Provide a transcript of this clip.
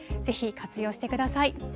ぜひ活用してください。